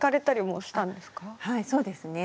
はいそうですね。